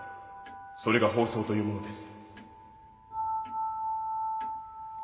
それが放送というものです。